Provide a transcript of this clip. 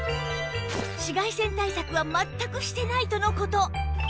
紫外線対策は全くしていないとの事